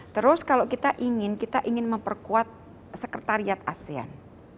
terus kalau kita ingin kita ingin memperkuat sekretariat asean